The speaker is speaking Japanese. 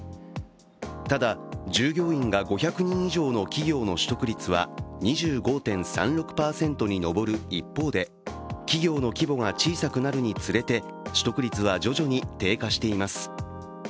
ただ、従業員が５００人以上の企業の取得率は２５．３６％に上る一方で、企業の規模が小さくなるにつれて取得率は徐々に低下しています。